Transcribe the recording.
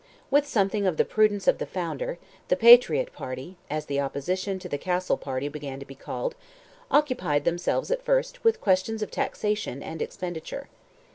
With something of the prudence of the founder, "the Patriot party," as the opposition to the Castle party began to be called, occupied themselves at first with questions of taxation and expenditure.